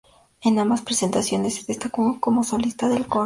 En ambas presentaciones se destacó como solista del coro.